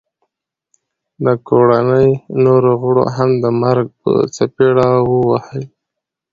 د کوړنۍ نورو غړو هم د مرګ په څپېړه وه وهي